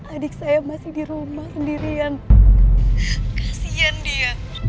adik saya masih di rumah sendirian kasian dia